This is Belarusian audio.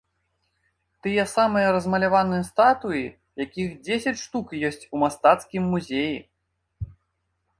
Тыя самыя размаляваныя статуі, якіх дзесяць штук ёсць у мастацкім музеі!